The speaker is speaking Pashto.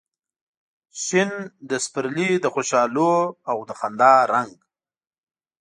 شین د سپرلي د خوشحالو او د خندا رنګ